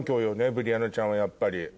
ブリアナちゃんはやっぱり。